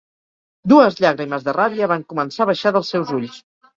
Dues llàgrimes de ràbia van començar a baixar dels seus ulls.